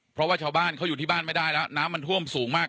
เพราะว่าชาวบ้านเขาอยู่ที่บ้านไม่ได้แล้วน้ำมันท่วมสูงมาก